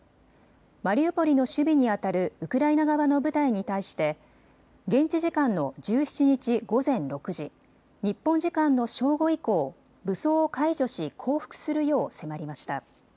マリウポリの守備にあたるウクライナ側の部隊に対して現地時間の１７日午前６時、日本時間の正午以降、武装を解除し降伏するよう迫りました。